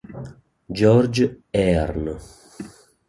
George Hearn